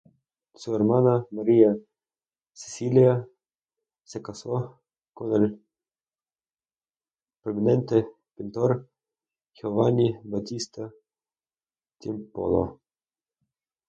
Su hermana, Maria Cecilia, se casó con el prominente pintor Giovanni Battista Tiepolo.